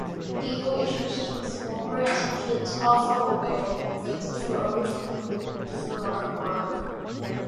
Legal issues with former associates Alfa Romeo prevented Ferrari from creating the Ferrari marque.